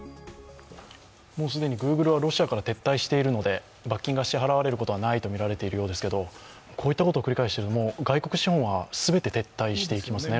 もう既にグーグルはロシアから撤退しているので罰金が支払われることはないとみられているようですがこういったことを繰り返していくと外国資本はロシアから全て撤退していきますね。